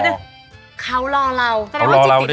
ก็เรียกว่าจิบติดแล้วดิ